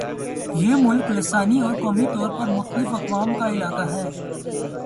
یہ ملک لسانی اور قومی طور پر مختلف اقوام کا علاقہ ہے